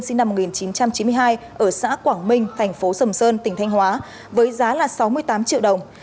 sinh năm một nghìn chín trăm chín mươi hai ở xã quảng minh thành phố sầm sơn tỉnh thanh hóa với giá là sáu mươi tám triệu đồng